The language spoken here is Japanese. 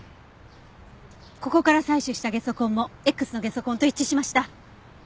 ここから採取したゲソ痕もＸのゲソ痕と一致しました。